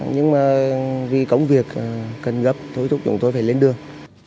nhưng mà vì công việc cần gấp thúi thúc chúng tôi phải lên đường